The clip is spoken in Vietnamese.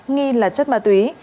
nghi là chất ma túy